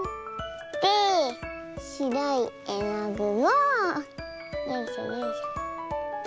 でしろいえのぐをよいしょよいしょ。